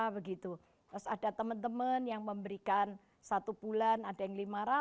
terus ada teman teman yang memberikan satu bulan ada yang lima ratus